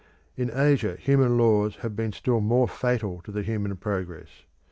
In Asia human laws have been still more fatal to the human progress.